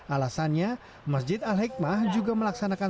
alasannya masjid al hikmah juga melaksanakan